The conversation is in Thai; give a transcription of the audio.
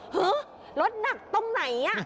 ฮะรถหนักตรงไหน